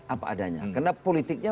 apa adanya karena politiknya